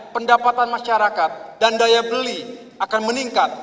pendapatan masyarakat dan daya beli akan meningkat